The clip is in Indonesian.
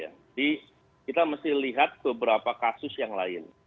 kita mesti lihat beberapa kasus yang lain